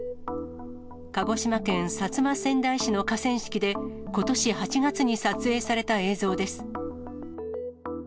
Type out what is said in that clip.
鹿児島県薩摩川内市の河川敷で、ことし８月に撮影された映像です。